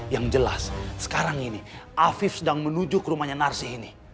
yang jelas sekarang ini afif sedang menuju ke rumahnya narsih ini